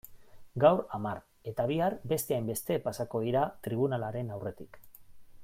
Gaur hamar eta bihar beste hainbeste pasako dira tribunalaren aurretik.